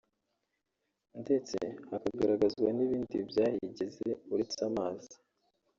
ndetse hakagaragazwa n’ibindi byahigeze uretse amazi